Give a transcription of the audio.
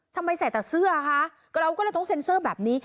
ทำไมใส่แต่เสื้อคะเราก็เลยต้องเซ็นเซอร์แบบนี้